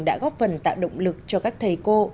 đã góp phần tạo động lực cho các thầy cô